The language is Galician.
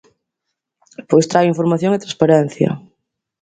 Pois traio información e transparencia.